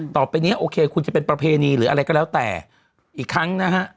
ต่อไปเนี้ยโอเคคุณจะเป็นประเพณีหรืออะไรก็แล้วแต่อีกครั้งนะฮะ